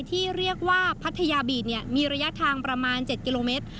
ที่เรียกว่าพัทยาบีชมีระยะทางประมาณ๗กิโลเมตร